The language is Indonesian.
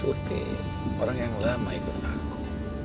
putih orang yang lama ikut aku